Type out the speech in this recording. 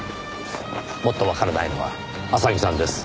もっとわからないのは浅木さんです。